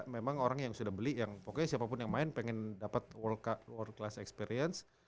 memang orang yang sudah beli yang pokoknya siapapun yang main pengen dapat world class experience